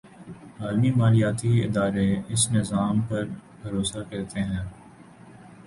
عالمی مالیاتی ادارے اس نظام پر بھروسہ کرتے ہیں۔